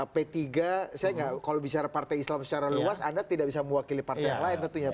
p tiga saya kalau bicara partai islam secara luas anda tidak bisa mewakili partai yang lain tentunya pak